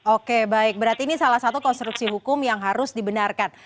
oke baik berarti ini salah satu konstruksi hukum yang harus dibenarkan